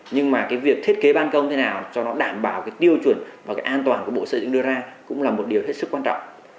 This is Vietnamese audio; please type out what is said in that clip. nhưng mà cái việc thiết kế ban công thế nào cho nó đảm bảo cái tiêu chuẩn và cái an toàn của bộ xây dựng đưa ra cũng là một điều hết sức quan trọng